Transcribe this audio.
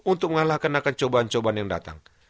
untuk mengalahkan akan cobaan cobaan yang datang